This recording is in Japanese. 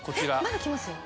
まだ来ますよ。